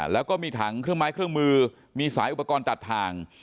แล้วก็มีถังเครื่องไม้เครื่องมือมีสายอุปกรณ์ตัดทาง